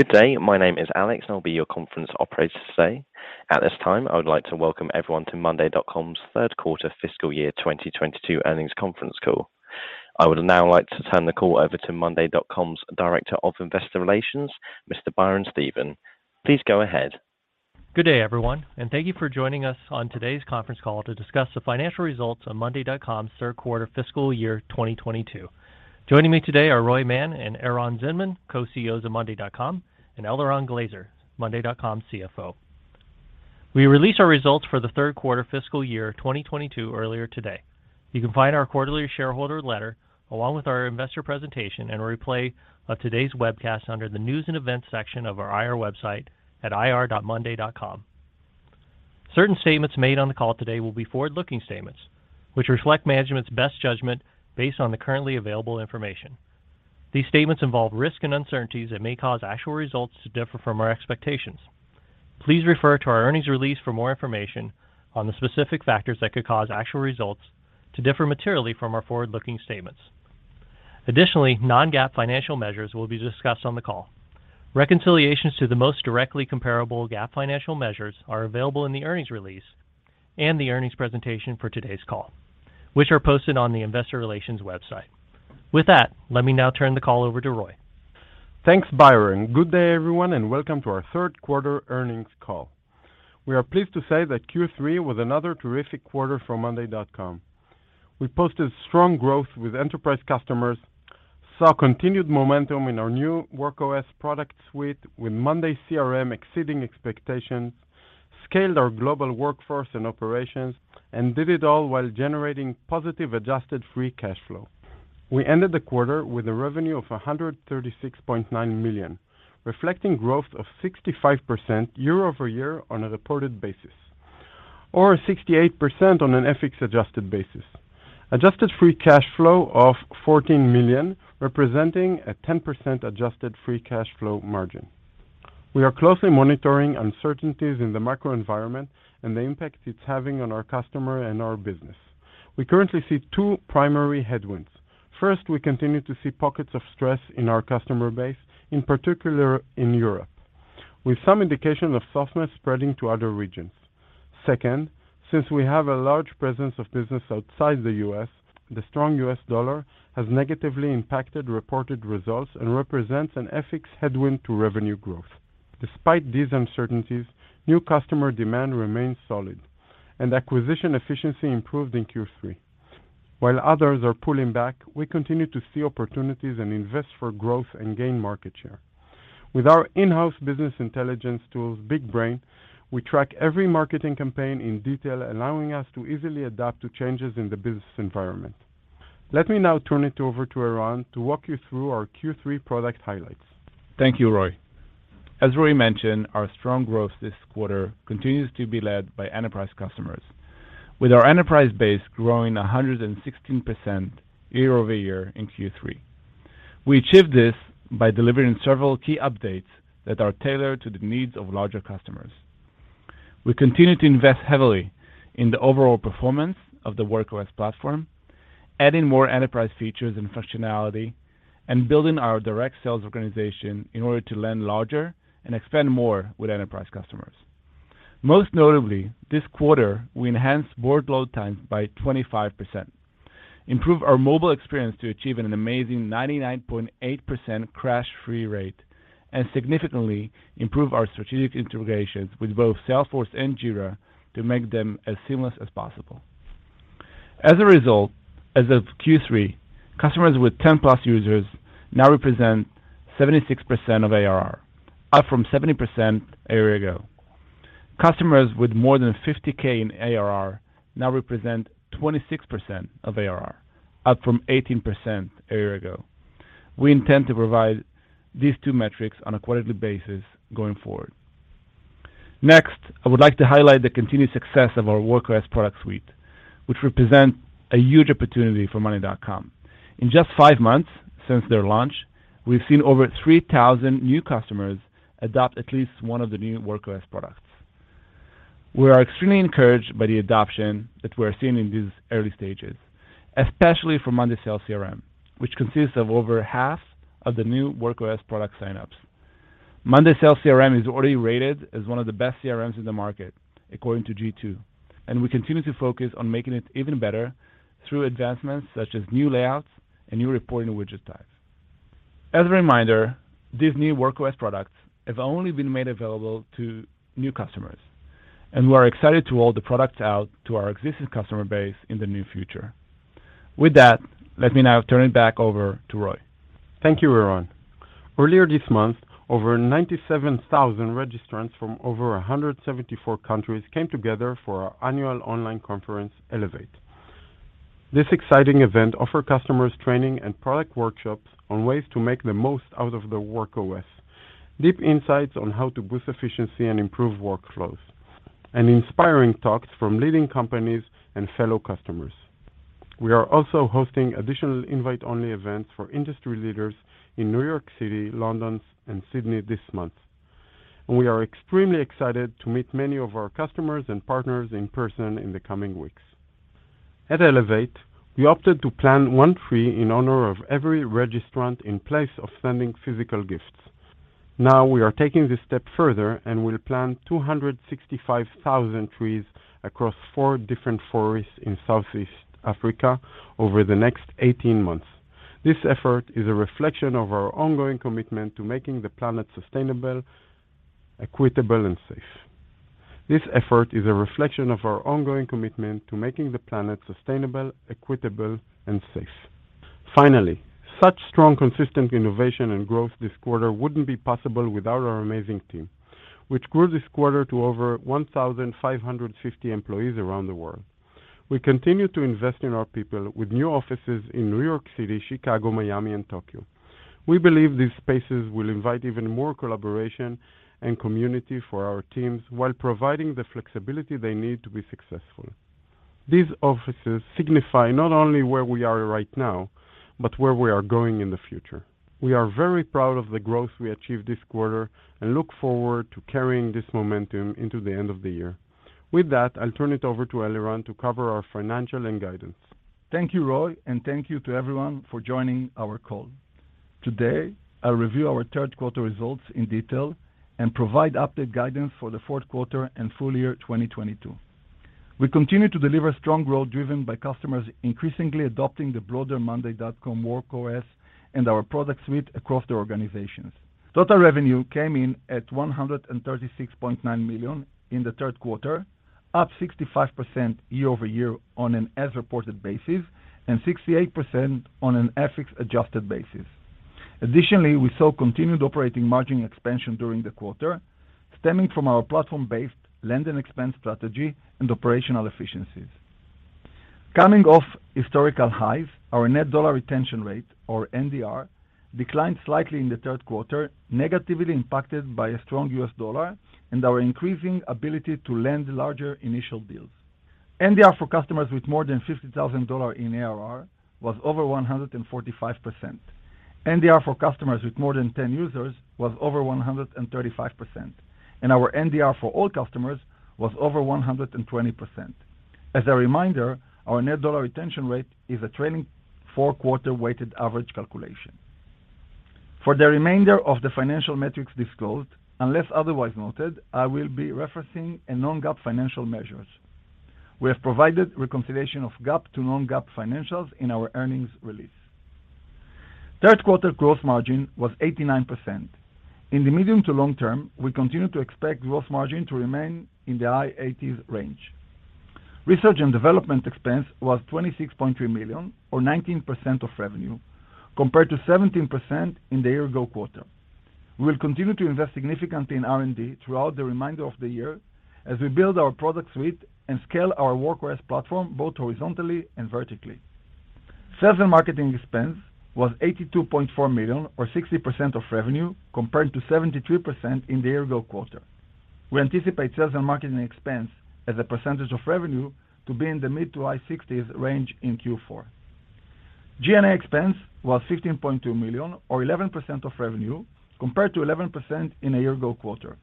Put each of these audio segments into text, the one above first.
Good day. My name is Alex, and I'll be your conference operator today. At this time, I would like to welcome everyone to monday.com's third quarter fiscal year 2022 earnings conference call. I would now like to turn the call over to monday.com's Director of Investor Relations, Mr. Byron Stephen. Please go ahead. Good day, everyone, and thank you for joining us on today's conference call to discuss the financial results of monday.com's third quarter fiscal year 2022. Joining me today are Roy Mann and Eran Zinman, Co-CEOs of monday.com, and Eliran Glazer, monday.com CFO. We released our results for the third quarter fiscal year 2022 earlier today. You can find our quarterly shareholder letter, along with our investor presentation and a replay of today's webcast under the News and Events section of our IR website at ir.monday.com. Certain statements made on the call today will be forward-looking statements which reflect management's best judgment based on the currently available information. These statements involve risks and uncertainties that may cause actual results to differ from our expectations. Please refer to our earnings release for more information on the specific factors that could cause actual results to differ materially from our forward-looking statements. Additionally, non-GAAP financial measures will be discussed on the call. Reconciliations to the most directly comparable GAAP financial measures are available in the earnings release and the earnings presentation for today's call, which are posted on the investor relations website. With that, let me now turn the call over to Roy. Thanks, Byron. Good day, everyone, and welcome to our third quarter earnings call. We are pleased to say that Q3 was another terrific quarter for monday.com. We posted strong growth with enterprise customers, saw continued momentum in our new Work OS product suite with monday CRM exceeding expectations, scaled our global workforce and operations, and did it all while generating positive adjusted free cash flow. We ended the quarter with revenue of $136.9 million, reflecting growth of 65% year-over-year on a reported basis, or 68% on an FX adjusted basis. Adjusted free cash flow of $14 million, representing a 10% adjusted free cash flow margin. We are closely monitoring uncertainties in the macro environment and the impact it's having on our customer and our business. We currently see two primary headwinds. First, we continue to see pockets of stress in our customer base, in particular in Europe, with some indication of softness spreading to other regions. Second, since we have a large presence of business outside the U.S., the strong U.S. dollar has negatively impacted reported results and represents an FX headwind to revenue growth. Despite these uncertainties, new customer demand remains solid and acquisition efficiency improved in Q3. While others are pulling back, we continue to see opportunities and invest for growth and gain market share. With our in-house business intelligence tools, BigBrain, we track every marketing campaign in detail, allowing us to easily adapt to changes in the business environment. Let me now turn it over to Eran to walk you through our Q3 product highlights. Thank you, Roy. As Roy mentioned, our strong growth this quarter continues to be led by enterprise customers, with our enterprise base growing 116% year-over-year in Q3. We achieved this by delivering several key updates that are tailored to the needs of larger customers. We continue to invest heavily in the overall performance of the Work OS platform, adding more enterprise features and functionality, and building our direct sales organization in order to land larger and expand more with enterprise customers. Most notably, this quarter, we enhanced board load times by 25%, improved our mobile experience to achieve an amazing 99.8% crash-free rate, and significantly improved our strategic integrations with both Salesforce and Jira to make them as seamless as possible. As a result, as of Q3, customers with 10+ users now represent 76% of ARR, up from 70% a year ago. Customers with more than 50K in ARR now represent 26% of ARR, up from 18% a year ago. We intend to provide these two metrics on a quarterly basis going forward. Next, I would like to highlight the continued success of our Work OS product suite, which represent a huge opportunity for monday.com. In just five months since their launch, we've seen over 3,000 new customers adopt at least one of the new Work OS products. We are extremely encouraged by the adoption that we're seeing in these early stages, especially from monday Sales CRM, which consists of over half of the new Work OS product sign-ups. monday sales CRM is already rated as one of the best CRMs in the market, according to G2, and we continue to focus on making it even better through advancements such as new layouts and new reporting widget types. As a reminder, these new Work OS products have only been made available to new customers, and we are excited to roll the products out to our existing customer base in the near future. With that, let me now turn it back over to Roy. Thank you, Eran. Earlier this month, over 97,000 registrants from over 174 countries came together for our annual online conference, Elevate. This exciting event offered customers training and product workshops on ways to make the most out of the Work OS, deep insights on how to boost efficiency and improve workflows, and inspiring talks from leading companies and fellow customers. We are also hosting additional invite-only events for industry leaders in New York City, London, and Sydney this month. We are extremely excited to meet many of our customers and partners in person in the coming weeks. At Elevate, we opted to plant 1 tree in honor of every registrant in place of sending physical gifts. Now we are taking this step further and will plant 265,000 trees across four different forests in Southeast Africa over the next 18 months. This effort is a reflection of our ongoing commitment to making the planet sustainable, equitable, and safe. Finally, such strong, consistent innovation and growth this quarter wouldn't be possible without our amazing team, which grew this quarter to over 1,550 employees around the world. We continue to invest in our people with new offices in New York City, Chicago, Miami, and Tokyo. We believe these spaces will invite even more collaboration and community for our teams while providing the flexibility they need to be successful. These offices signify not only where we are right now, but where we are going in the future. We are very proud of the growth we achieved this quarter and look forward to carrying this momentum into the end of the year. With that, I'll turn it over to Eliran to cover our financials and guidance. Thank you, Roy, and thank you to everyone for joining our call. Today, I'll review our third quarter results in detail and provide updated guidance for the fourth quarter and full year 2022. We continue to deliver strong growth driven by customers increasingly adopting the broader monday.com Work OS and our product suite across their organizations. Total revenue came in at $136.9 million in the third quarter, up 65% year-over-year on an as-reported basis and 68% on an FX adjusted basis. Additionally, we saw continued operating margin expansion during the quarter, stemming from our platform-based land and expense strategy and operational efficiencies. Coming off historical highs, our net dollar retention rate or NDR declined slightly in the third quarter, negatively impacted by a strong US dollar and our increasing ability to land larger initial deals. NDR for customers with more than $50,000 in ARR was over 145%. NDR for customers with more than 10 users was over 135%, and our NDR for all customers was over 120%. As a reminder, our net dollar retention rate is a trailing 4-quarter weighted average calculation. For the remainder of the financial metrics disclosed, unless otherwise noted, I will be referencing non-GAAP financial measures. We have provided reconciliation of GAAP to non-GAAP financials in our earnings release. Third quarter gross margin was 89%. In the medium to long term, we continue to expect gross margin to remain in the high 80s range. Research and development expense was $26.3 million or 19% of revenue, compared to 17% in the year ago quarter. We will continue to invest significantly in R&D throughout the remainder of the year as we build our product suite and scale our Work OS platform both horizontally and vertically. Sales and marketing expense was $82.4 million or 60% of revenue, compared to 73% in the year-ago quarter. We anticipate sales and marketing expense as a percentage of revenue to be in the mid- to high-60s range in Q4. G&A expense was $15.2 million or 11% of revenue, compared to 11% in a year-ago quarter.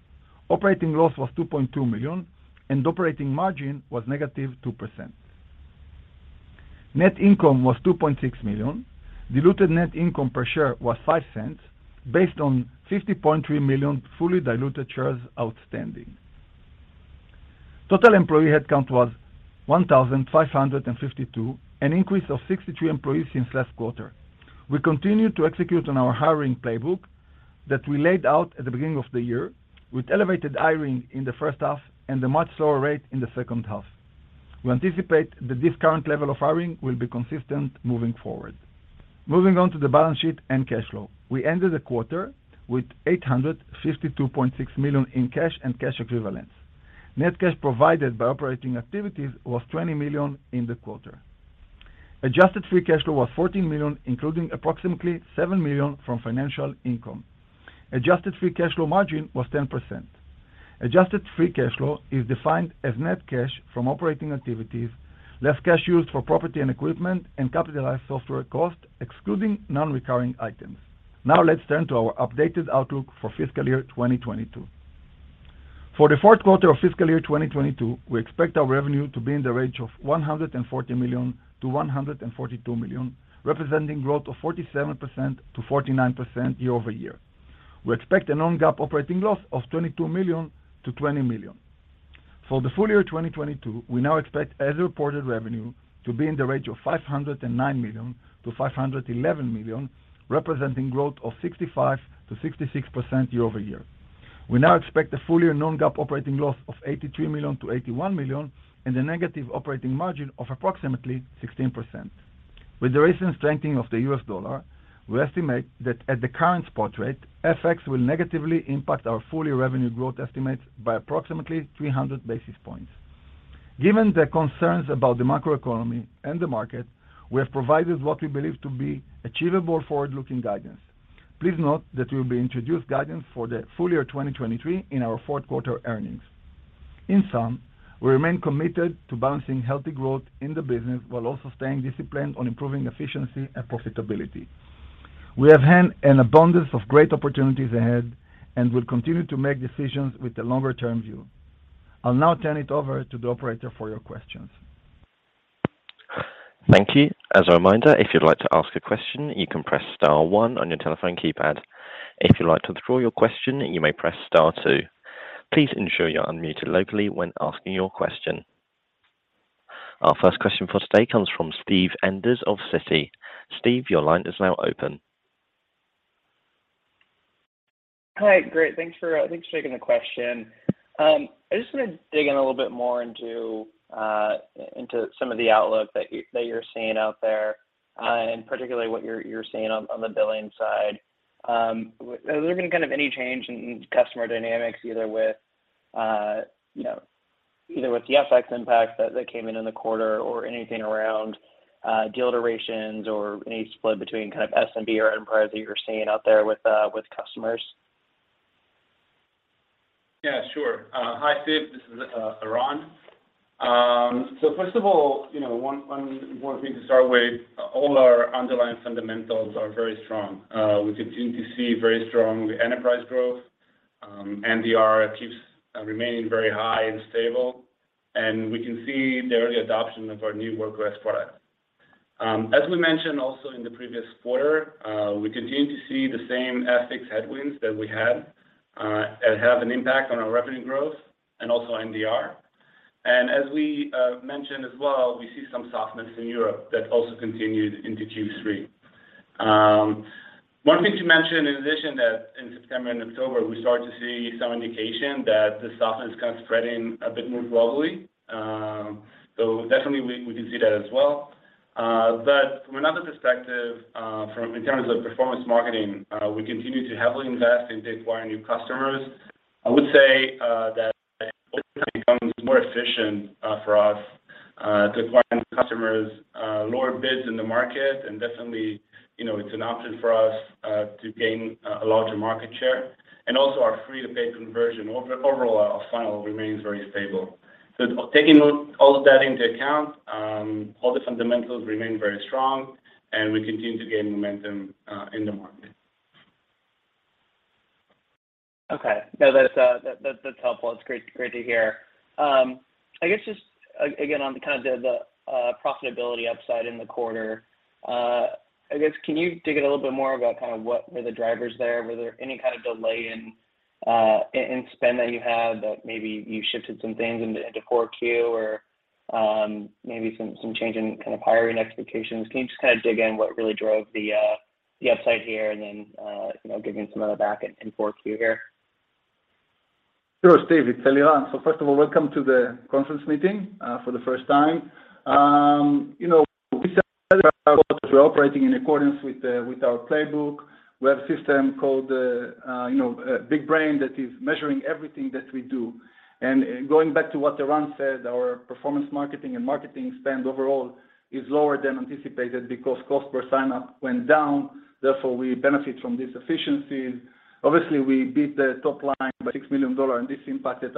Operating loss was $2.2 million and operating margin was -2%. Net income was $2.6 million. Diluted net income per share was $0.05 based on 50.3 million fully diluted shares outstanding. Total employee headcount was 1,552, an increase of 63 employees since last quarter. We continue to execute on our hiring playbook that we laid out at the beginning of the year with elevated hiring in the first half and a much slower rate in the second half. We anticipate that this current level of hiring will be consistent moving forward. Moving on to the balance sheet and cash flow. We ended the quarter with $852.6 million in cash and cash equivalents. Net cash provided by operating activities was $20 million in the quarter. Adjusted Free Cash Flow was $14 million, including approximately $7 million from financial income. Adjusted free cash flow margin was 10%. Adjusted free cash flow is defined as net cash from operating activities, less cash used for property and equipment and capitalized software cost, excluding non-recurring items. Now, let's turn to our updated outlook for fiscal year 2022. For the fourth quarter of fiscal year 2022, we expect our revenue to be in the range of $140 million-$142 million, representing growth of 47%-49% year-over-year. We expect a non-GAAP operating loss of $22 million-$20 million. For the full year 2022, we now expect as-reported revenue to be in the range of $509 million-$511 million, representing growth of 65%-66% year-over-year. We now expect the full-year non-GAAP operating loss of $83 million-$81 million and a negative operating margin of approximately 16%. With the recent strengthening of the US dollar, we estimate that at the current spot rate, FX will negatively impact our full-year revenue growth estimates by approximately 300 basis points. Given the concerns about the macroeconomy and the market, we have provided what we believe to be achievable forward-looking guidance. Please note that we will be introducing guidance for the full year 2023 in our fourth quarter earnings. In sum, we remain committed to balancing healthy growth in the business, while also staying disciplined on improving efficiency and profitability. We have an abundance of great opportunities ahead, and we'll continue to make decisions with the longer-term view. I'll now turn it over to the operator for your questions. Thank you. As a reminder, if you'd like to ask a question, you can press star one on your telephone keypad. If you'd like to withdraw your question, you may press star two. Please ensure you're unmuted locally when asking your question. Our first question for today comes from Steven Enders of Citi. Steve, your line is now open. Hi. Great. Thanks for taking the question. I just wanna dig in a little bit more into some of the outlook that you're seeing out there, and particularly what you're seeing on the billing side. Has there been kind of any change in customer dynamics, either with you know the FX impact that came in the quarter or anything around deal iterations or any split between kind of SMB or enterprise that you're seeing out there with customers? Yeah, sure. Hi, Steve. This is Eran. First of all, you know, one important thing to start with, all our underlying fundamentals are very strong. We continue to see very strong enterprise growth. NDR keeps remaining very high and stable, and we can see the early adoption of our new Work OS product. As we mentioned also in the previous quarter, we continue to see the same macro headwinds that we had, and have an impact on our revenue growth and also NDR. As we mentioned as well, we see some softness in Europe that also continued into Q3. One thing to mention in addition that in September and October, we start to see some indication that the softness is kind of spreading a bit more globally. Definitely we can see that as well. From another perspective, in terms of performance marketing, we continue to heavily invest in acquiring new customers. I would say that it becomes more efficient for us to acquire new customers, lower bids in the market, and definitely, you know, it's an option for us to gain a larger market share. Also our free-to-paid conversion overall funnel remains very stable. Taking all of that into account, all the fundamentals remain very strong, and we continue to gain momentum in the market. Okay. No, that's helpful. It's great to hear. I guess just again, on the kind of profitability upside in the quarter, I guess can you dig in a little bit more about kind of what were the drivers there? Were there any kind of delay in spend that you had that maybe you shifted some things into 4Q or maybe some change in kind of hiring expectations? Can you just kinda dig in what really drove the upside here and then, you know, giving some of that back in 4Q here? Sure, Steve, it's Eliran. First of all, welcome to the conference meeting for the first time. You know, we are operating in accordance with our playbook. We have a system called you know BigBrain that is measuring everything that we do. Going back to what Eran said, our performance marketing and marketing spend overall is lower than anticipated because cost per sign-up went down, therefore we benefit from this efficiency. Obviously, we beat the top line by $6 million, and this impacted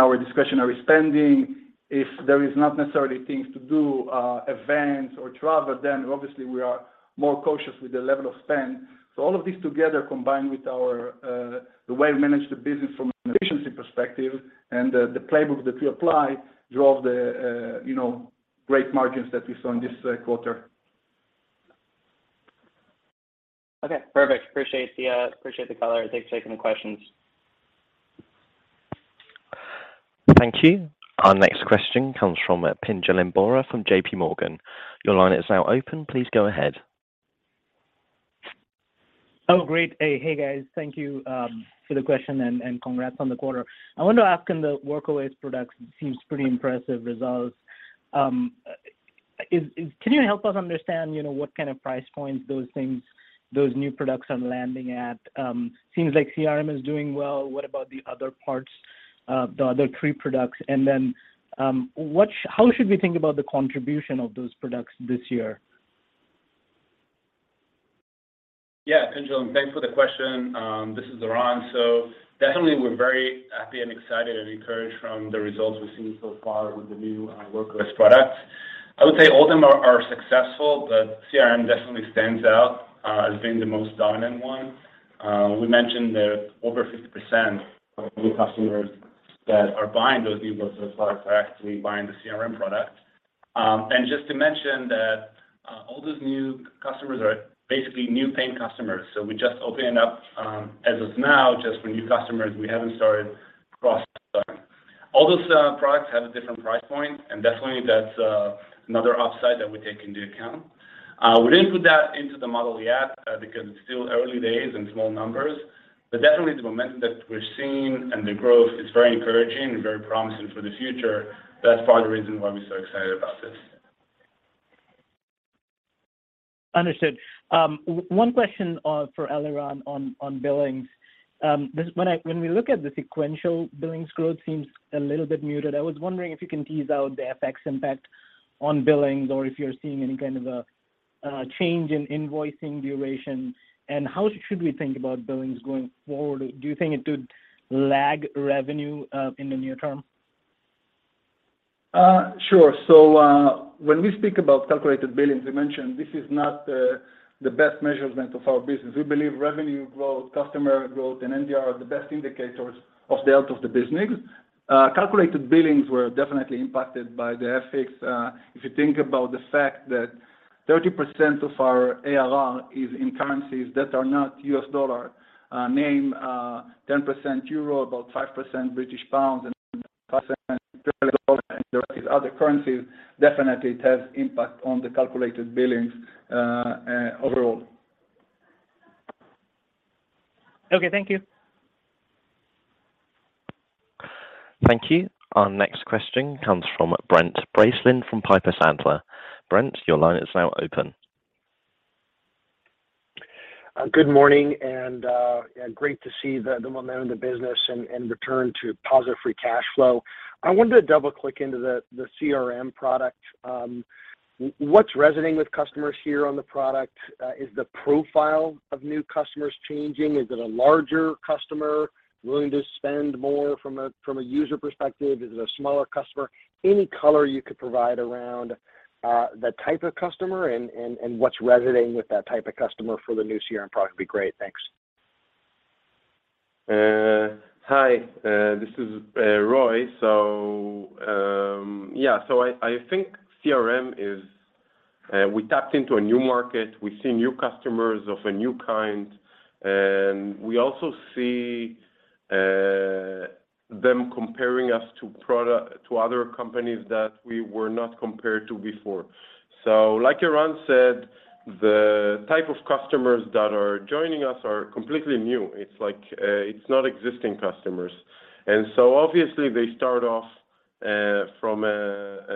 our discretionary spending. If there is not necessarily things to do, events or travel, then obviously we are more cautious with the level of spend. All of this together combined with our the way we manage the business from an efficiency perspective and the playbook that we apply drove the you know great margins that we saw in this quarter. Okay, perfect. Appreciate the color. Thanks for taking the questions. Thank you. Our next question comes from Pinjalim Bora from JPMorgan. Your line is now open. Please go ahead. Oh, great. Hey. Hey, guys. Thank you for the question and congrats on the quarter. I wanted to ask on the Work OS products. It seems pretty impressive results. Can you help us understand, you know, what kind of price points those things, those new products are landing at? Seems like CRM is doing well. What about the other parts, the other three products? Then, how should we think about the contribution of those products this year? Yeah, Pinjalim, and thanks for the question. This is Eran. Definitely we're very happy and excited and encouraged from the results we've seen so far with the new Work OS products. I would say all of them are successful, but CRM definitely stands out as being the most dominant one. We mentioned that over 50% of new customers that are buying those new Work OS products are actually buying the CRM product. And just to mention that all those new customers are basically new paying customers. We're just opening up, as of now, just for new customers. We haven't started cross-selling. All those products have a different price point, and definitely that's another upside that we take into account. We didn't put that into the model yet, because it's still early days and small numbers, but definitely the momentum that we're seeing and the growth is very encouraging and very promising for the future. That's part of the reason why we're so excited about this. Understood. One question for Eliran on billings? When we look at the sequential billings growth seems a little bit muted. I was wondering if you can tease out the FX impact on billings or if you're seeing any kind of a change in invoicing duration, and how should we think about billings going forward? Do you think it would lag revenue in the near term? When we speak about calculated billings, we mentioned this is not the best measurement of our business. We believe revenue growth, customer growth, and NDR are the best indicators of the health of the business. Calculated billings were definitely impacted by the FX. If you think about the fact that 30% of our ARR is in currencies that are not US dollar, 10% euro, about 5% British pounds, and 5% other currencies, definitely it has impact on the calculated billings overall. Okay. Thank you. Thank you. Our next question comes from Brent Bracelin from Piper Sandler. Brent, your line is now open. Good morning, yeah, great to see the momentum of the business and return to positive free cash flow. I wanted to double-click into the CRM product. What's resonating with customers here on the product? Is the profile of new customers changing? Is it a larger customer willing to spend more from a user perspective? Is it a smaller customer? Any color you could provide around the type of customer and what's resonating with that type of customer for the new CRM product would be great. Thanks. Hi, this is Roy. Yeah. I think CRM is we tapped into a new market. We see new customers of a new kind, and we also see them comparing us to other companies that we were not compared to before. Like Eran said, the type of customers that are joining us are completely new. It's like, it's not existing customers. Obviously they start off from a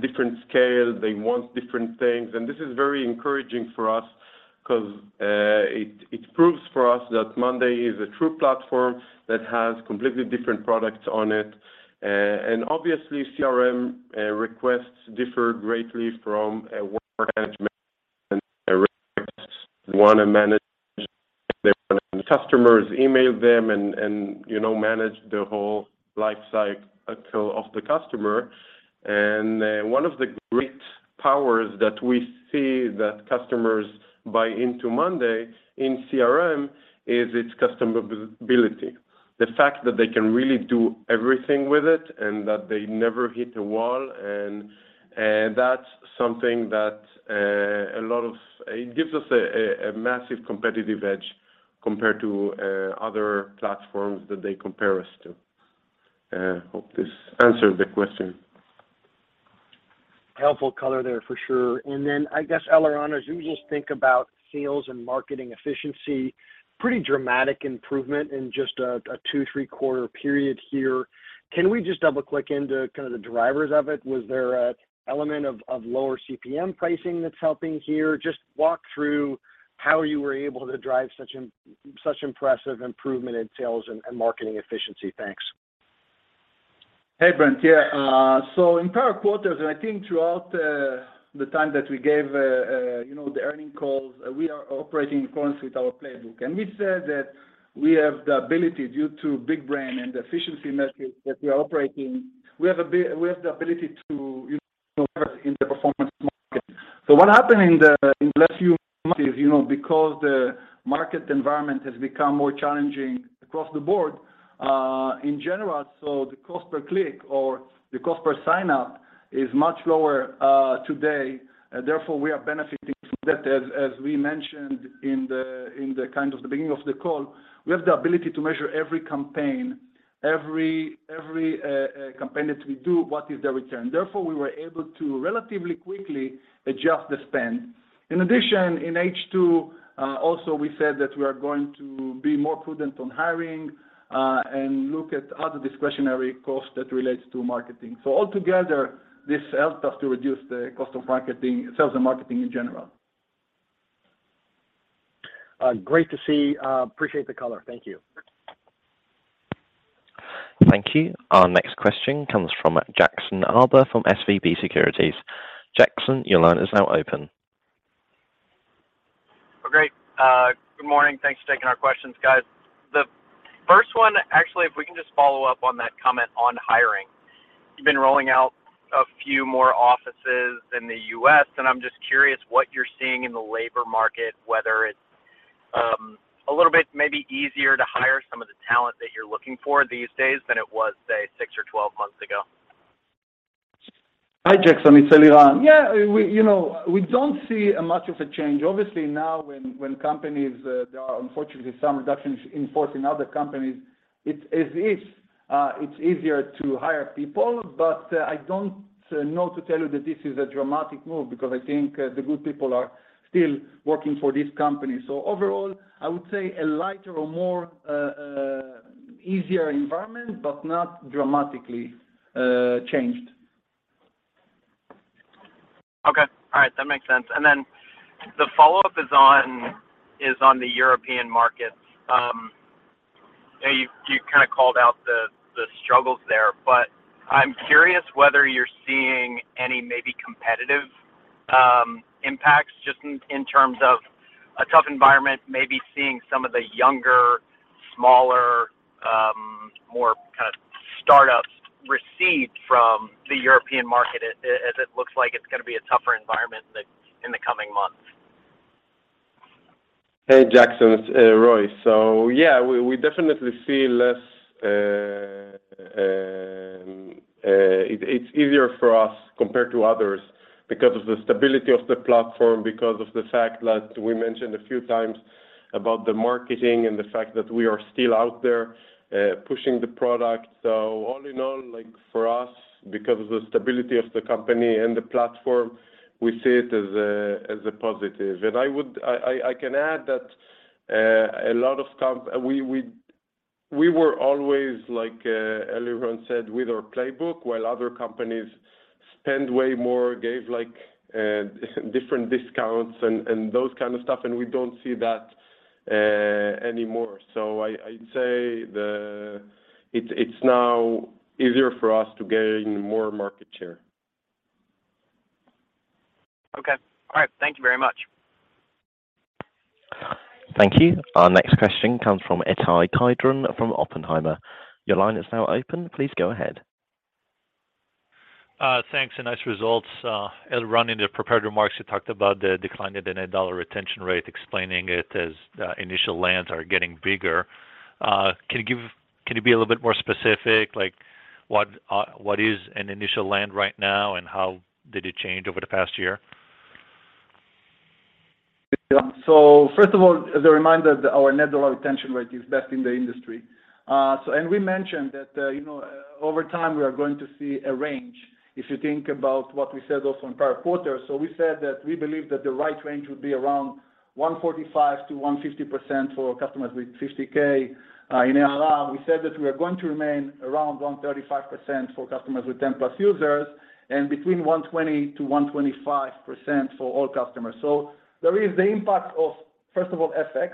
different scale. They want different things, and this is very encouraging for us 'cause it proves for us that Monday is a true platform that has completely different products on it. Obviously, CRM requests differ greatly from a work management request. They wanna manage their customers, email them, and you know, manage the whole life cycle of the customer. One of the great powers that we see that customers buy into monday.com CRM is its customizability. The fact that they can really do everything with it and that they never hit a wall and that's something that it gives us a massive competitive edge compared to other platforms that they compare us to. Hope this answered the question. Helpful color there for sure. I guess, Eliran, as you just think about sales and marketing efficiency, pretty dramatic improvement in just a two, three-quarter period here. Can we just double-click into kind of the drivers of it? Was there an element of lower CPM pricing that's helping here? Just walk through how you were able to drive such impressive improvement in sales and marketing efficiency. Thanks. Hey, Brent. Yeah. Entire quarters and I think throughout the time that we gave, you know, the earnings calls, we are operating in accordance with our playbook. We've said that we have the ability due to BigBrain and the efficiency measures that we are operating, we have the ability to, you know, in the performance market. What happened in the last few months, you know, because the market environment has become more challenging across the board in general, the cost per click or the cost per sign-up is much lower today, therefore, we are benefiting from that. As we mentioned in the kind of the beginning of the call, we have the ability to measure every campaign that we do, what is the return. Therefore, we were able to relatively quickly adjust the spend. In addition, in H2, also we said that we are going to be more prudent on hiring, and look at other discretionary costs that relates to marketing. Altogether, this helped us to reduce the cost of marketing, sales and marketing in general. Great to see. Appreciate the color. Thank you. Thank you. Our next question comes from Jackson Ader from SVB Securities. Jackson, your line is now open. Great. Good morning. Thanks for taking our questions, guys. The first one, actually, if we can just follow up on that comment on hiring. You've been rolling out a few more offices in the U.S., and I'm just curious what you're seeing in the labor market, whether it's a little bit maybe easier to hire some of the talent that you're looking for these days than it was, say, 6 or 12 months ago? Hi, Jackson. It's Eliran. Yeah, we, you know, we don't see much of a change. Obviously now when companies, there are unfortunately some reductions in force in other companies, it's as if, it's easier to hire people, but, I don't know to tell you that this is a dramatic move because I think the good people are still working for this company. Overall, I would say a lighter or more, easier environment, but not dramatically, changed. Okay. All right. That makes sense. Then the follow-up is on the European markets. You kinda called out the struggles there, but I'm curious whether you're seeing any maybe competitive impacts just in terms of a tough environment, maybe seeing some of the younger, smaller, more kind of startups recede from the European market as it looks like it's gonna be a tougher environment in the coming months. Hey, Jackson, it's Roy. Yeah, we definitely see less. It's easier for us compared to others because of the stability of the platform, because of the fact that we mentioned a few times about the marketing and the fact that we are still out there pushing the product. All in all, like for us, because of the stability of the company and the platform, we see it as a positive. I can add that a lot of companies, we were always like, Eliran said, with our playbook, while other companies spend way more, gave like different discounts and those kind of stuff, and we don't see that anymore. I'd say it's now easier for us to gain more market share. Okay. All right. Thank you very much. Thank you. Our next question comes from Ittai Kidron from Oppenheimer. Your line is now open. Please go ahead. Thanks. Nice results. Eliran, in the prepared remarks, you talked about the decline in the net dollar retention rate, explaining it as initial lands are getting bigger. Can you be a little bit more specific, like what is an initial land right now, and how did it change over the past year? Yeah. First of all, as a reminder, our net dollar retention rate is best in the industry. We mentioned that, you know, over time, we are going to see a range, if you think about what we said also in prior quarters. We said that we believe that the right range would be around 145%-150% for customers with 50K in ARR. We said that we are going to remain around 135% for customers with 10+ users and between 120%-125% for all customers. There is the impact of, first of all, FX,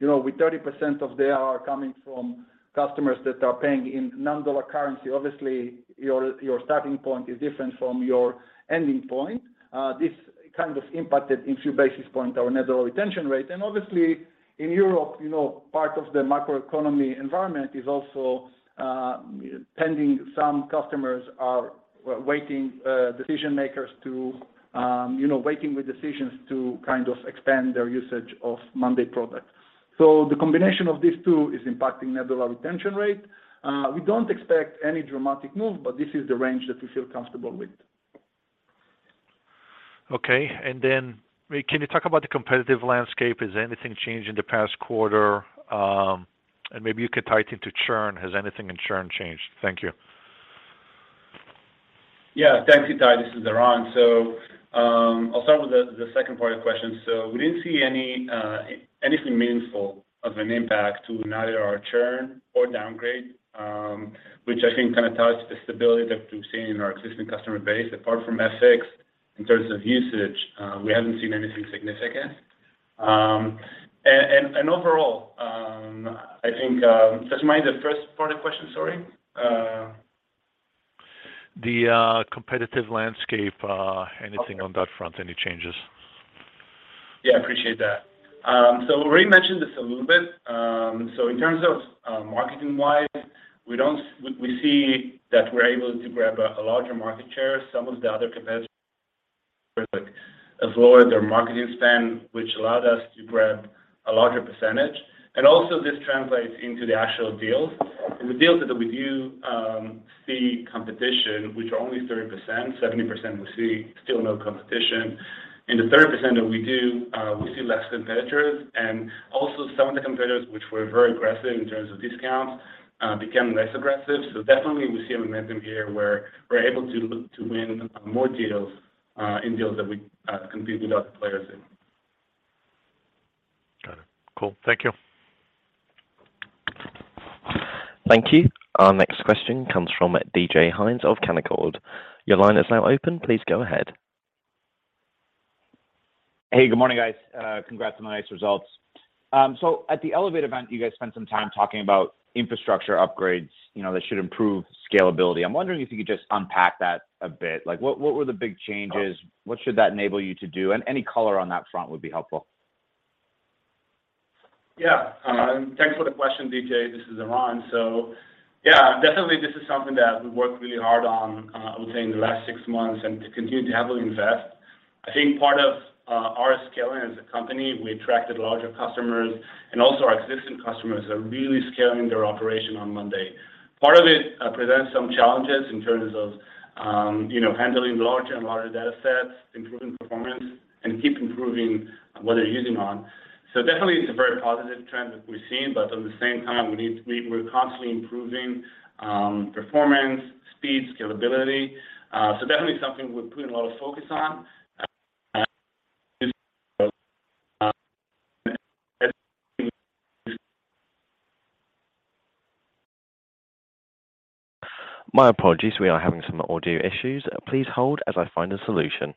you know, with 30% of the ARR coming from customers that are paying in non-dollar currency. Obviously, your starting point is different from your ending point. This kind of impacted a few basis points, our net dollar retention rate. Obviously, in Europe, you know, part of the macroeconomic environment is also pending. Some customers are waiting. Decision-makers, too, you know, waiting with decisions to kind of expand their usage of monday.com product. The combination of these two is impacting net dollar retention rate. We don't expect any dramatic move, but this is the range that we feel comfortable with. Okay. Then can you talk about the competitive landscape? Has anything changed in the past quarter? Maybe you could tie it into churn. Has anything in churn changed? Thank you. Yeah. Thanks, Ittai. This is Eran. I'll start with the second part of the question. We didn't see anything meaningful of an impact to neither our churn or downgrade, which I think kinda ties to the stability that we've seen in our existing customer base. Apart from FX, in terms of usage, we haven't seen anything significant. And overall, I think. Just remind me the first part of the question, sorry. The competitive landscape, anything on that front, any changes? Yeah, appreciate that. We already mentioned this a little bit. In terms of, marketing-wise, we see that we're able to grab a larger market share. Some of the other competitors, like, have lowered their marketing spend, which allowed us to grab a larger percentage. This translates into the actual deals. In the deals that we do, see competition, which are only 30%, 70% we see still no competition. In the 30% that we do, we see less competitors. Some of the competitors, which were very aggressive in terms of discounts, became less aggressive. Definitely, we see a momentum here where we're able to look to win more deals, in deals that we compete with other players in. Got it. Cool. Thank you. Thank you. Our next question comes from DJ Hynes of Canaccord Genuity. Your line is now open. Please go ahead. Hey, good morning, guys. Congrats on the nice results. At the Elevate event, you guys spent some time talking about infrastructure upgrades, you know, that should improve scalability. I'm wondering if you could just unpack that a bit. Like, what were the big changes? What should that enable you to do? And any color on that front would be helpful. Yeah. Thanks for the question, DJ. This is Eran. Yeah, definitely, this is something that we worked really hard on, I would say, in the last six months and to continue to heavily invest. I think part of our scaling as a company, we attracted larger customers, and also our existing customers are really scaling their operation on monday.com. Part of it presents some challenges in terms of, you know, handling larger and larger data sets, improving performance, and keep improving what they're using on. Definitely, it's a very positive trend that we've seen, but at the same time, we're constantly improving performance, speed, scalability. Definitely something we're putting a lot of focus on. My apologies, we are having some audio issues. Please hold as I find a solution.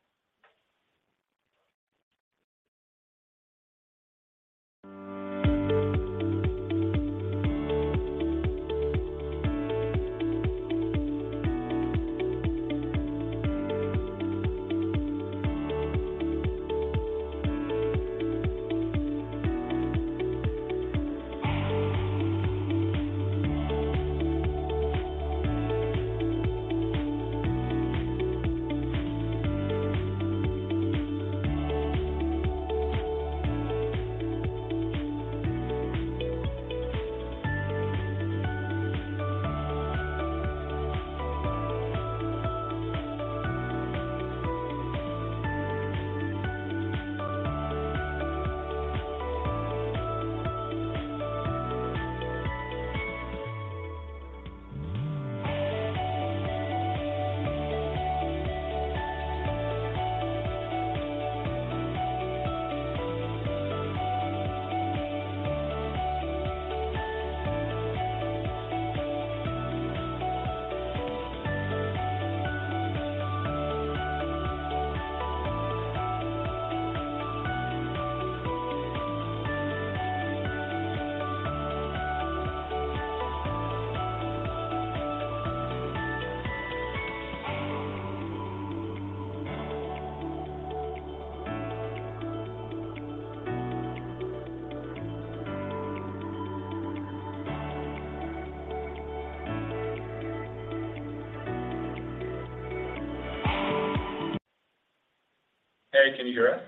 Harry, can you hear us?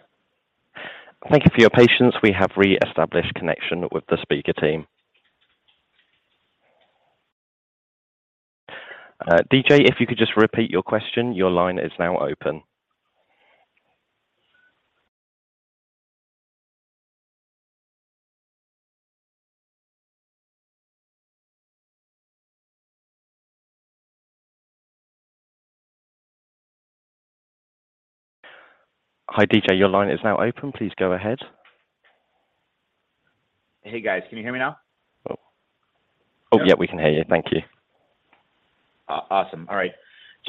Thank you for your patience. We have re-established connection with the speaker team. DJ, if you could just repeat your question, your line is now open. Hi, DJ. Your line is now open. Please go ahead. Hey, guys. Can you hear me now? Oh. Oh, yeah, we can hear you. Thank you. Awesome. All right.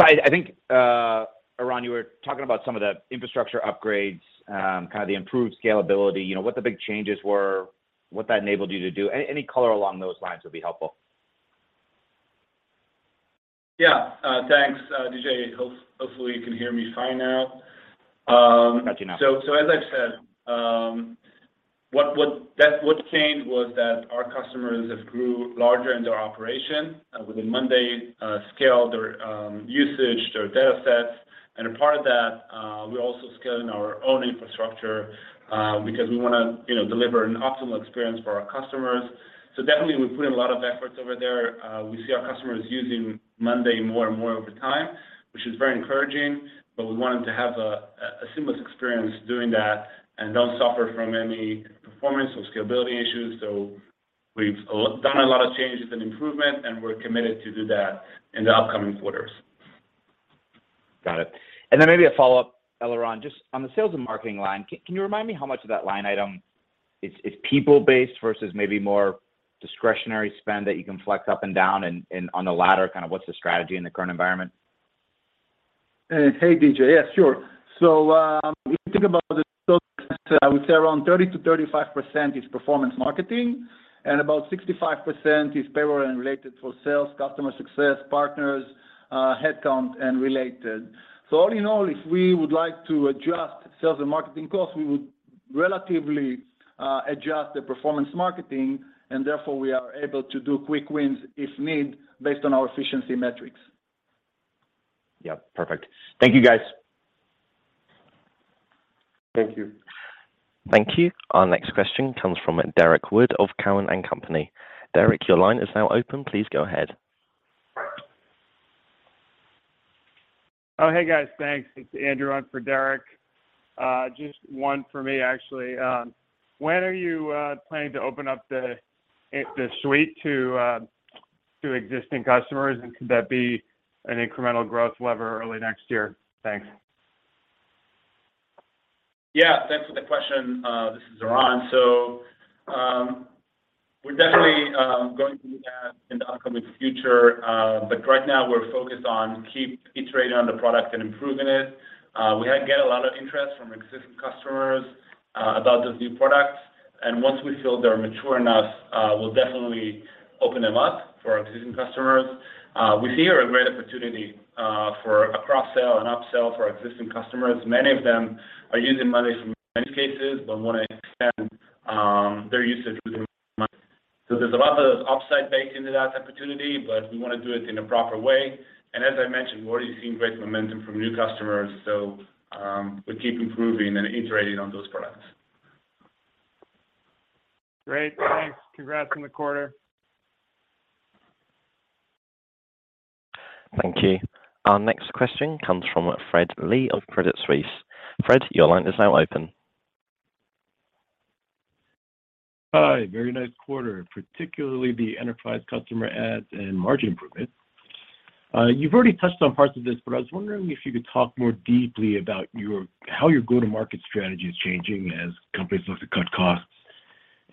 I think, Eran, you were talking about some of the infrastructure upgrades, kind of the improved scalability, you know, what the big changes were, what that enabled you to do. Any color along those lines would be helpful. Yeah. Thanks, DJ. Hopefully you can hear me fine now. I can now. As I've said, what changed was that our customers have grew larger in their operation. Within Monday, scaled their usage, their data sets. A part of that, we're also scaling our own infrastructure because we wanna, you know, deliver an optimal experience for our customers. Definitely we put in a lot of efforts over there. We see our customers using Monday more and more over time, which is very encouraging, but we want them to have a seamless experience doing that and don't suffer from any performance or scalability issues. We've already done a lot of changes and improvement, and we're committed to do that in the upcoming quarters. Got it. Maybe a follow-up, Eliran, just on the sales and marketing line, can you remind me how much of that line item is people based versus maybe more discretionary spend that you can flex up and down and on the latter, kind of what's the strategy in the current environment? Hey, DJ. Yeah, sure. If you think about the sales, I would say around 30%-35% is performance marketing, and about 65% is payroll and related for sales, customer success, partners, headcount and related. All in all, if we would like to adjust sales and marketing costs, we would relatively adjust the performance marketing and therefore we are able to do quick wins if needed based on our efficiency metrics. Yeah, perfect. Thank you, guys. Thank you. Thank you. Our next question comes from Derrick Wood of TD Cowen. Derek, your line is now open. Please go ahead. Oh, hey guys. Thanks. It's Andrew on for Derrick. Just one for me actually. When are you planning to open up the suite to existing customers? Could that be an incremental growth lever early next year? Thanks. Yeah, thanks for the question. This is Eran. We're definitely going to do that in the upcoming future, but right now we're focused on keeping iterating on the product and improving it. We have got a lot of interest from existing customers about those new products, and once we feel they're mature enough, we'll definitely open them up for our existing customers. We see a great opportunity for a cross sell and up-sell for our existing customers. Many of them are using monday.com's use cases but wanna extend their usage within monday.com. There's a lot of upside baked into that opportunity, but we wanna do it in a proper way. As I mentioned, we're already seeing great momentum from new customers. We keep improving and iterating on those products. Great. Thanks. Congrats on the quarter. Thank you. Our next question comes from Fred Lee of Credit Suisse. Fred, your line is now open. Hi. Very nice quarter, particularly the enterprise customer adds and margin improvements. You've already touched on parts of this, but I was wondering if you could talk more deeply about how your go-to-market strategy is changing as companies look to cut costs.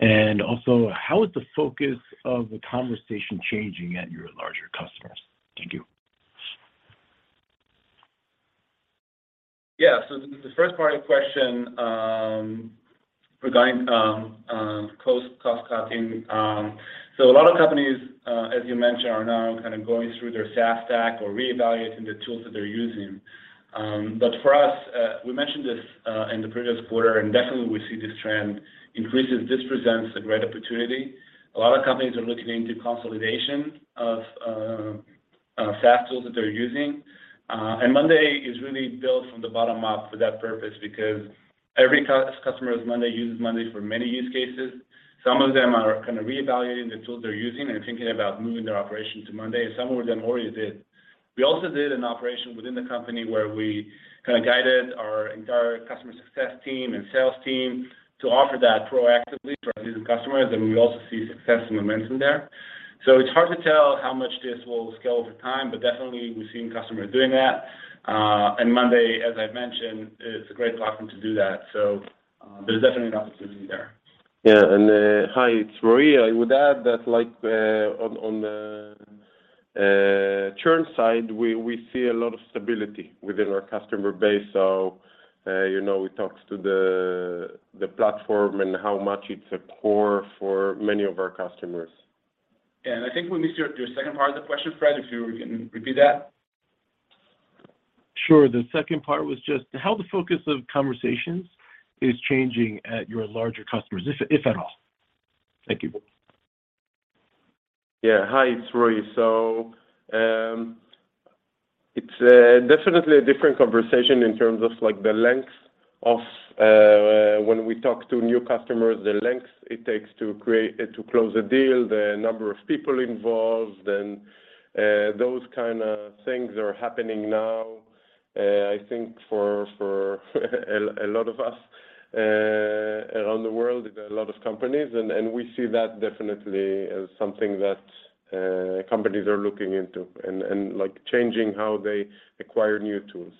Also, how is the focus of the conversation changing at your larger customers? Thank you. Yeah. The first part of the question, regarding cost-cutting. A lot of companies, as you mentioned, are now kind of going through their SaaS stack or reevaluating the tools that they're using. For us, we mentioned this in the previous quarter, and definitely we see this trend increases. This presents a great opportunity. A lot of companies are looking into consolidation of SaaS tools that they're using. monday.com is really built from the bottom up for that purpose because every customer that uses monday.com uses monday.com for many use cases. Some of them are kind of reevaluating the tools they're using and thinking about moving their operation to monday.com, and some of them already did. We also did an operation within the company where we kinda guided our entire customer success team and sales team to offer that proactively to our existing customers, and we also see success and momentum there. It's hard to tell how much this will scale over time, but definitely we're seeing customers doing that. Monday, as I've mentioned, is a great platform to do that. There's definitely an opportunity there. Yeah. Hi, it's Roy. I would add that like on the churn side, we see a lot of stability within our customer base. You know, it talks to the platform and how much it's a core for many of our customers. I think we missed your second part of the question, Fred, if you can repeat that. Sure. The second part was just how the focus of conversations is changing at your larger customers, if at all. Thank you. Yeah. Hi, it's Roy. It's definitely a different conversation in terms of like the length of when we talk to new customers, the length it takes to close a deal, the number of people involved, and those kinda things are happening now, I think for a lot of us around the world, a lot of companies. We see that definitely as something that companies are looking into and like changing how they acquire new tools.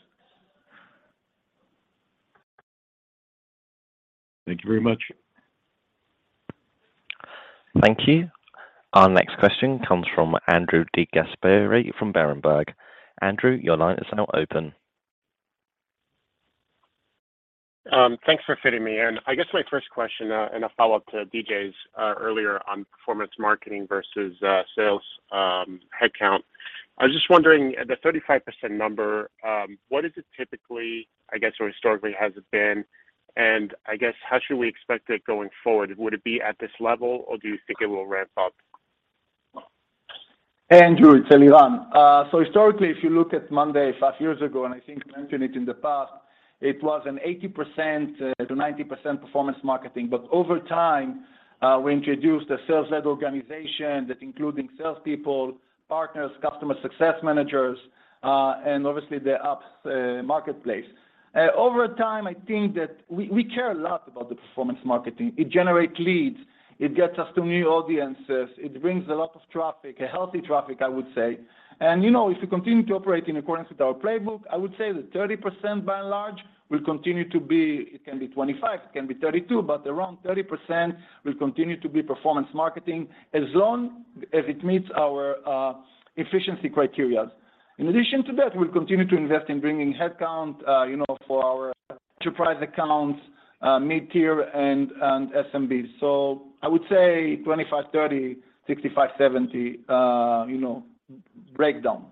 Thank you very much. Thank you. Our next question comes from Andrew DeGasperi from Berenberg. Andrew, your line is now open. Thanks for fitting me in. I guess my first question, and a follow-up to DJ's, earlier on performance marketing versus, sales, headcount. I was just wondering, the 35% number, what is it typically, I guess, or historically has it been? I guess, how should we expect it going forward? Would it be at this level, or do you think it will ramp up? Hey, Andrew. It's Eliran. Historically, if you look at monday.com five years ago, and I think mentioned it in the past, it was an 80%-90% performance marketing. Over time, we introduced a sales-led organization that including salespeople, partners, customer success managers, and obviously the apps marketplace. Over time, I think that we care a lot about the performance marketing. It generates leads. It gets us to new audiences. It brings a lot of traffic, a healthy traffic, I would say. You know, if we continue to operate in accordance with our playbook, I would say that 30%, by and large, will continue to be. It can be 25%, it can be 32%, but around 30% will continue to be performance marketing as long as it meets our efficiency criteria. In addition to that, we'll continue to invest in bringing headcount, you know, for our enterprise accounts, mid-tier and SMBs. I would say 25%-30%, 65%-70%, you know, breakdown.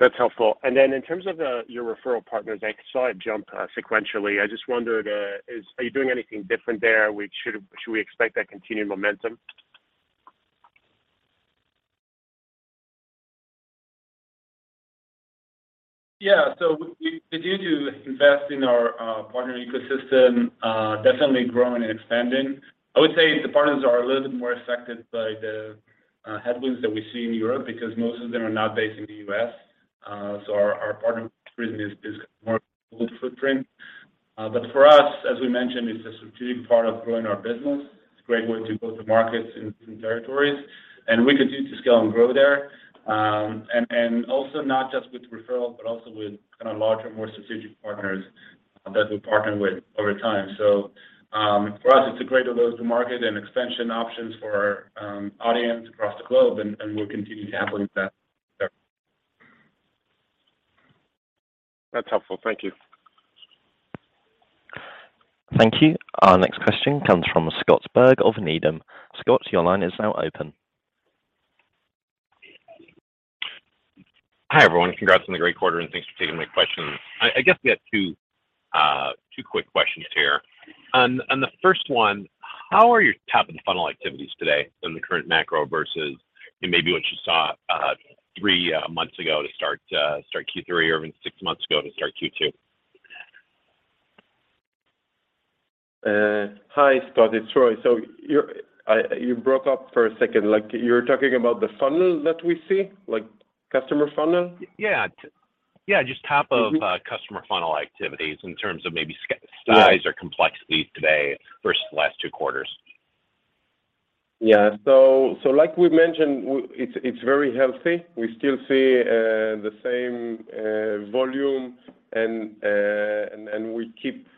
That's helpful. In terms of your referral partners, I saw it jump sequentially. I just wondered, are you doing anything different there? Should we expect that continued momentum? Yeah. We continue to invest in our partner ecosystem, definitely growing and expanding. I would say the partners are a little bit more affected by the headwinds that we see in Europe because most of them are not based in the U.S. Our partner is more global footprint. But for us, as we mentioned, it's a strategic part of growing our business. It's a great way to go-to-market in territories, and we continue to scale and grow there. And also not just with referrals, but also with kind of larger, more strategic partners that we partner with over time. For us, it's a great go-to-market and expansion options for our audience across the globe, and we'll continue to heavily invest there. That's helpful. Thank you. Thank you. Our next question comes from Scott Berg of Needham. Scott, your line is now open. Hi, everyone. Congrats on the great quarter, and thanks for taking my questions. I guess we had two quick questions here. On the first one, how are your top-of-the-funnel activities today in the current macro versus maybe what you saw three months ago to start Q3 or even six months ago to start Q2? Hi, Scott. It's Roy. You broke up for a second. Like, you're talking about the funnel that we see, like customer funnel? Yeah. Yeah, just top of customer funnel activities in terms of maybe ACV size or complexity today versus the last two Quarters. Yeah. Like we mentioned, it's very healthy. We still see the same volume and then we keep,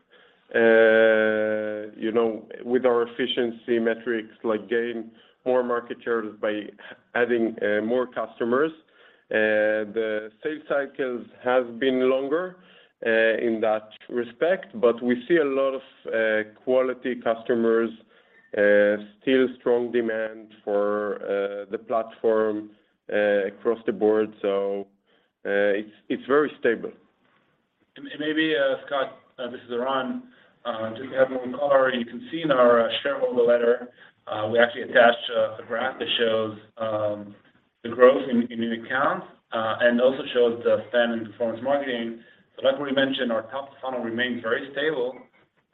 you know, with our efficiency metrics, like gain more market shares by adding more customers. The sales cycles have been longer in that respect, but we see a lot of quality customers, still strong demand for the platform across the board. It's very stable. Maybe Scott, this is Eran. Just to add one more. You can see in our shareholder letter, we actually attached a graph that shows the growth in accounts, and also shows the spend in performance marketing. Like we mentioned, our top funnel remains very stable.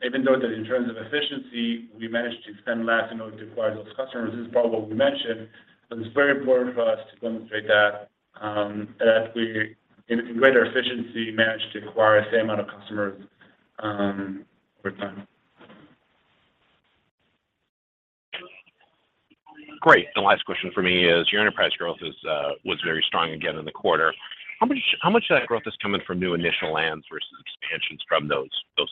Even though that in terms of efficiency, we managed to spend less in order to acquire those customers, this is part of what we mentioned, but it's very important for us to demonstrate that that we in greater efficiency managed to acquire the same amount of customers over time. Great. The last question for me is, your enterprise growth is, was very strong again in the quarter. How much of that growth is coming from new initial lands versus expansions from those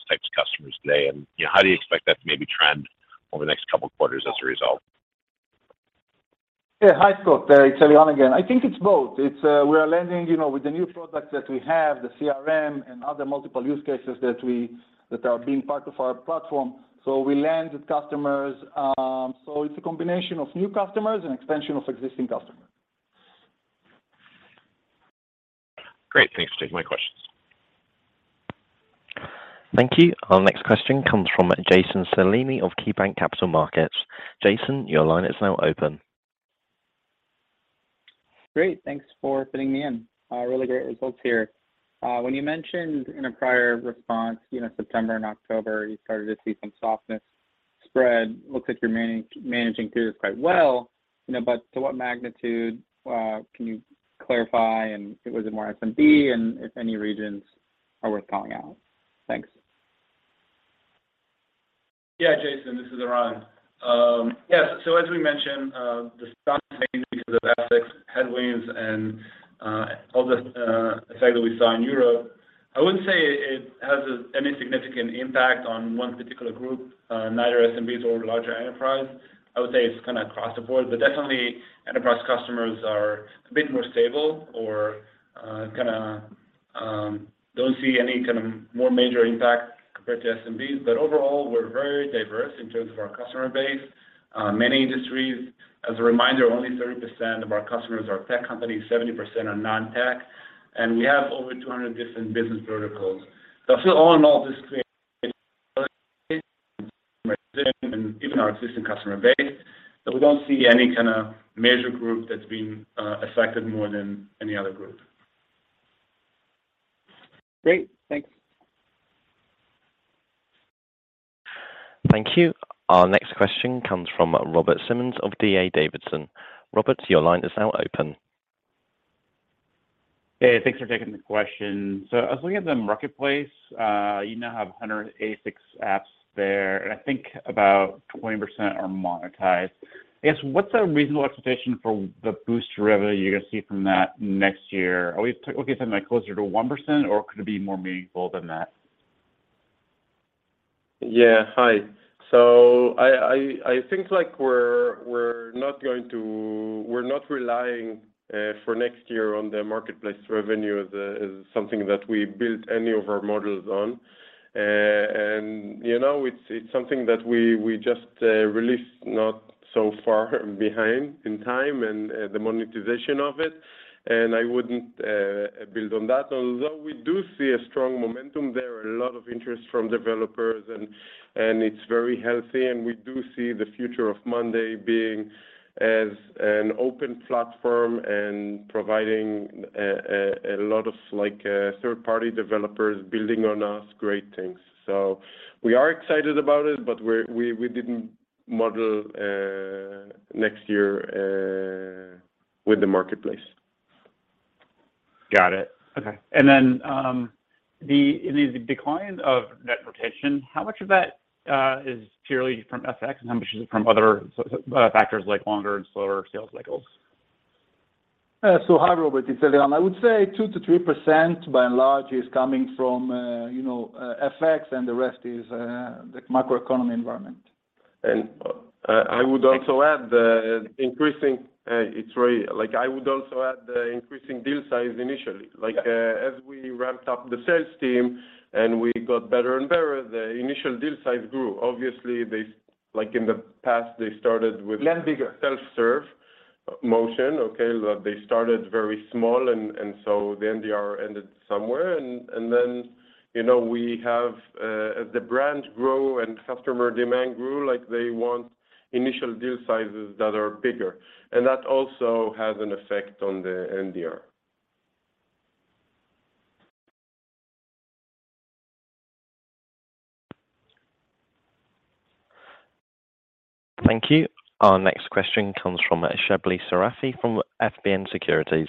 types of customers today? And, you know, how do you expect that to maybe trend over the next couple of quarters as a result? Yeah. Hi, Scott. It's Eran again. I think it's both. It's we are landing, you know, with the new products that we have, the CRM and other multiple use cases that are being part of our platform. We land with customers. It's a combination of new customers and expansion of existing customers. Great. Thanks for taking my questions. Thank you. Our next question comes from Jason Celino of KeyBanc Capital Markets. Jason, your line is now open. Great. Thanks for fitting me in. Really great results here. When you mentioned in a prior response, you know, September and October, you started to see some softness spread. Looks like you're managing through this quite well, you know. To what magnitude can you clarify, and was it more SMB, and if any regions are worth calling out? Thanks. Yeah, Jason, this is Eran. As we mentioned, the stock changes of FX headwinds and all the effect that we saw in Europe, I wouldn't say it has any significant impact on one particular group, neither SMBs or larger enterprise. I would say it's kinda across the board, but definitely enterprise customers are a bit more stable or kinda don't see any kind of more major impact compared to SMBs. Overall, we're very diverse in terms of our customer base. Many industries. As a reminder, only 30% of our customers are tech companies, 70% are non-tech, and we have over 200 different business verticals. I feel all in all, this creates a quality position in even our existing customer base. We don't see any kinda major group that's been affected more than any other group. Great. Thanks. Thank you. Our next question comes from Robert Simmons of D.A. Davidson. Robert, your line is now open. Hey, thanks for taking the question. So as we look at the marketplace, you now have 100 apps there, and I think about 20% are monetized. I guess, what's a reasonable expectation for the boost revenue you're gonna see from that next year? Are we talking about closer to 1%, or could it be more meaningful than that? Yeah. Hi. I think like we're not relying for next year on the marketplace revenue as something that we built any of our models on. You know, it's something that we just released not so far behind in time and the monetization of it. I wouldn't build on that. Although we do see a strong momentum, there are a lot of interest from developers and it's very healthy, and we do see the future of monday being as an open platform and providing a lot of like third-party developers building on us great things. We are excited about it, but we didn't model next year with the marketplace. Got it. Okay. In the decline of net retention, how much of that is purely from FX and how much is it from other factors like longer and slower sales cycles? Hi, Robert. It's Eran. I would say 2%-3% by and large is coming from, you know, FX and the rest is the macroeconomic environment. I would also add the increasing deal size initially. Yeah. Like, as we ramped up the sales team and we got better and better, the initial deal size grew. Obviously, like in the past, they started with- Land bigger self-serve motion. Okay. They started very small and so the NDR ended somewhere. Then, you know, we have, as the brand grew and customer demand grew, like they want initial deal sizes that are bigger. That also has an effect on the NDR. Thank you. Our next question comes from Shebly Seyrafi from FBN Securities.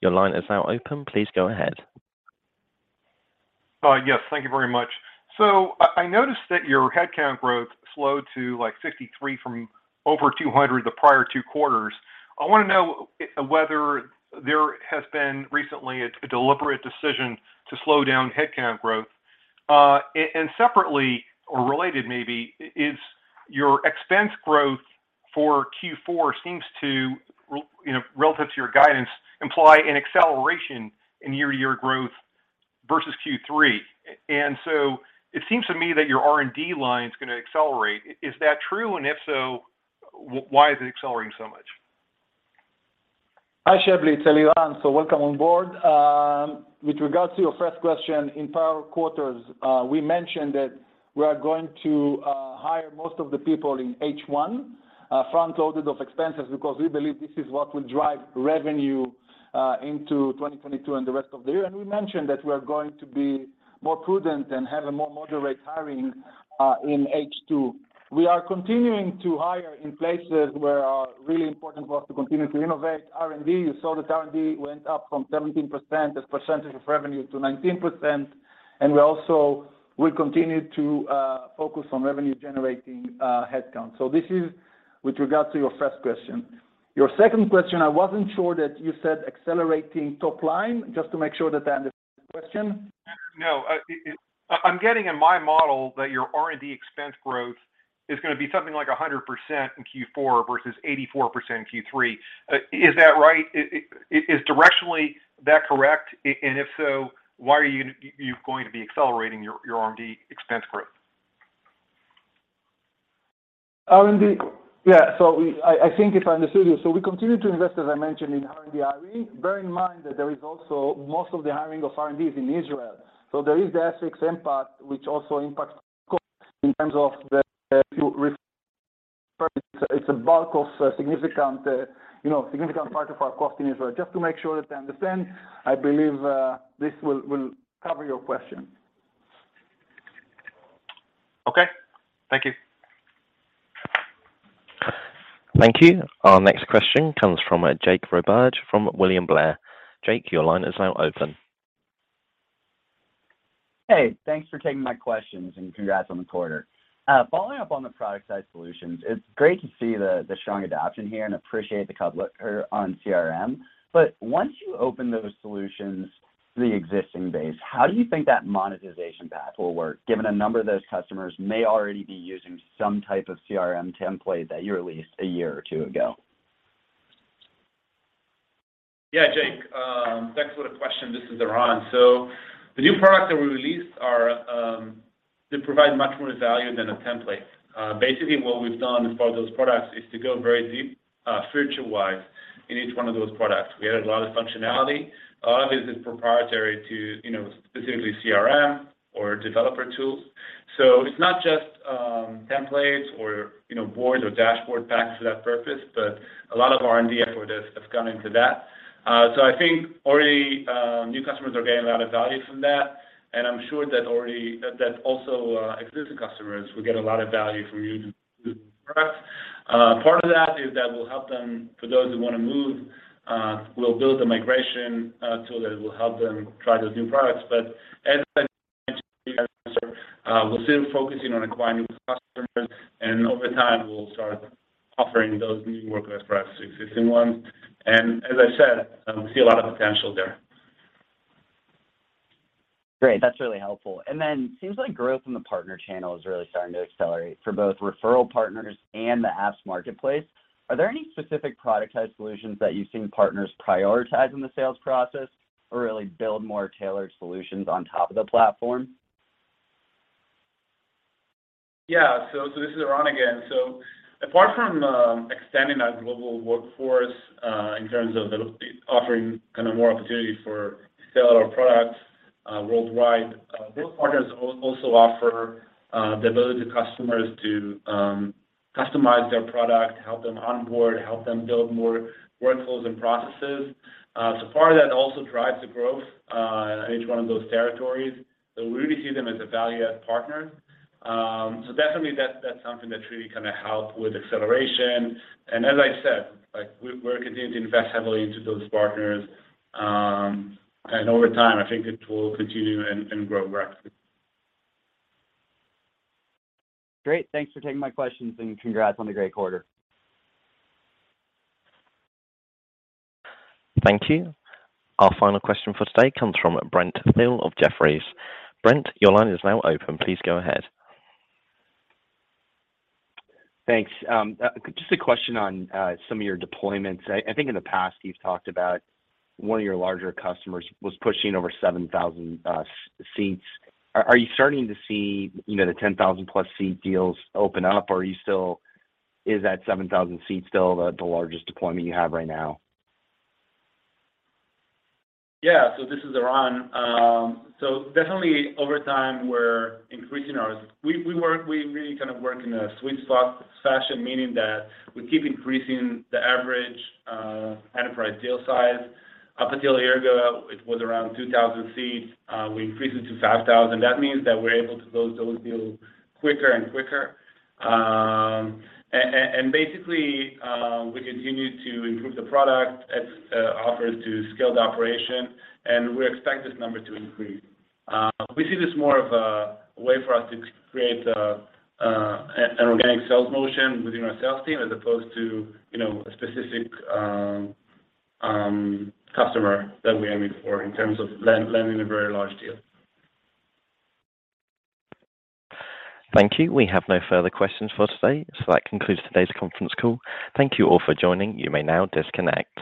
Your line is now open. Please go ahead. Yes. Thank you very much. I noticed that your headcount growth slowed to, like, 63 from over 200 the prior two quarters. I wanna know whether there has been recently a deliberate decision to slow down headcount growth. And separately or related maybe, is your expense growth for Q4 seems to you know, relative to your guidance, imply an acceleration in year-to-year growth versus Q3. It seems to me that your R&D line's gonna accelerate. Is that true? And if so, why is it accelerating so much? Hi, Shebly. It's Eran. Welcome on board. With regards to your first question, in prior quarters, we mentioned that we are going to hire most of the people in H1, front-loading of expenses because we believe this is what will drive revenue into 2022 and the rest of the year. We mentioned that we're going to be more prudent and have a more moderate hiring in H2. We are continuing to hire in places where it's really important for us to continue to innovate. R&D, you saw that R&D went up from 17% as percentage of revenue to 19%, and we also will continue to focus on revenue-generating headcount. This is with regards to your first question. Your second question, I wasn't sure that you said accelerating top line. Just to make sure that I understand the question. No. I'm getting in my model that your R&D expense growth is gonna be something like 100% in Q4 versus 84% in Q3. Is that right? Is directionally that correct? If so, why are you going to be accelerating your R&D expense growth? R&D, yeah. I think if I understood you, we continue to invest, as I mentioned, in R&D hiring. Bear in mind that there is also most of the hiring of R&D is in Israel. There is the FX impact which also impacts costs in terms of the. It's a bulk of significant part of our cost in Israel. Just to make sure that I understand, I believe this will cover your question. Okay. Thank you. Thank you. Our next question comes from Jake Roberge from William Blair. Jake, your line is now open. Hey, thanks for taking my questions and congrats on the quarter. Following up on the product side solutions, it's great to see the strong adoption here and appreciate the color on CRM. Once you open those solutions to the existing base, how do you think that monetization path will work given a number of those customers may already be using some type of CRM template that you released a year or two ago? Yeah. Jake, thanks for the question. This is Eran. The new products that we released are, they provide much more value than a template. Basically what we've done as part of those products is to go very deep, feature wise in each one of those products. We added a lot of functionality. A lot of it is proprietary to, you know, specifically CRM or developer tools. It's not just, templates or, you know, boards or dashboard packs for that purpose, but a lot of R&D effort has gone into that. I think already, new customers are getting a lot of value from that, and I'm sure that already that also, existing customers will get a lot of value from those products. Part of that is that we'll help them, for those who wanna move, we'll build a migration tool that will help them try those new products. As I mentioned, we're still focusing on acquiring new customers, and over time we'll start offering those new workloads for our existing ones. As I said, I see a lot of potential there. Great. That's really helpful. Seems like growth in the partner channel is really starting to accelerate for both referral partners and the apps marketplace. Are there any specific product type solutions that you've seen partners prioritize in the sales process or really build more tailored solutions on top of the platform? Yeah. This is Eran again. Apart from extending our global workforce in terms of offering kind of more opportunity to sell our products worldwide, those partners also offer the ability for customers to customize their product, help them onboard, help them build more workflows and processes. Part of that also drives the growth in each one of those territories. We really see them as a value add partner. Definitely that's something that really kinda help with acceleration. As I said, like we're continuing to invest heavily into those partners, and over time, I think it will continue and grow rapidly. Great. Thanks for taking my questions and congrats on a great quarter. Thank you. Our final question for today comes from Brent Thill of Jefferies. Brent, your line is now open. Please go ahead. Thanks. Just a question on some of your deployments. I think in the past you've talked about one of your larger customers was pushing over 7,000 seats. Are you starting to see, you know, the 10,000+ seat deals open up, or are you still? Is that 7,000 seats still the largest deployment you have right now? Yeah. This is Eran. Definitely over time we're increasing our. We really kind of work in a sweet spot fashion, meaning that we keep increasing the average enterprise deal size. Up until a year ago it was around 2,000 seats. We increased it to 5,000. That means that we're able to close those deals quicker and quicker. And basically, we continue to improve the product as it offers to scale the operation, and we expect this number to increase. We see this more of a way for us to create an organic sales motion within our sales team as opposed to, you know, a specific customer that we're aiming for in terms of landing a very large deal. Thank you. We have no further questions for today. That concludes today's conference call. Thank you all for joining. You may now disconnect.